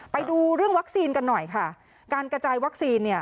ไปดูเรื่องวัคซีนกันหน่อยค่ะการกระจายวัคซีนเนี่ย